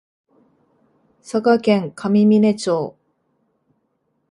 佐賀県上峰町